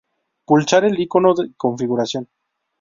Pulsar el icono de configuración